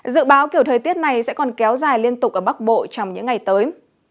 dự báo kiểu thời tiết này sẽ còn kéo dài liên tục ở bắc bộ trong những ngày tới